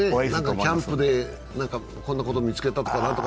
キャンプでこんなこと見つけたとか何とか。